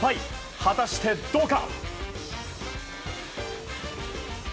果たしてどうか。